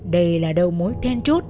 đây là đầu mối then trút